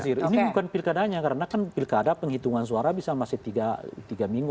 ini bukan pilkadanya karena kan pilkada penghitungan suara bisa masih tiga minggu